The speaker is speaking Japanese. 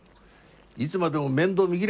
いつまでも面倒見きれん！